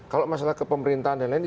kalau masalah kepemerintahan dan lain lain